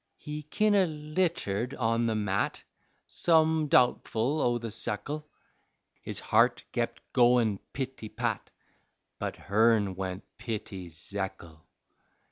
He kin' o' l'itered on the mat, Some doubtfle o' the sekle, His heart kep' goin' pity pat, But hern went pity Zekle.